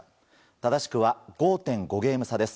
正しくは５．５ゲーム差です。